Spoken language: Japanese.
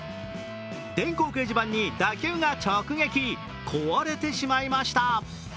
電光掲示板に打球が直撃、壊れてしまいました。